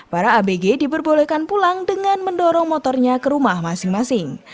para abg diperbolehkan pulang dengan mendorong motornya ke rumah masing masing